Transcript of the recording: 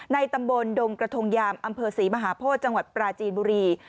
ตำบลดงกระทงยามอำเภอศรีมหาโพธิจังหวัดปราจีนบุรี